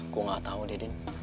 gue gak tahu deh din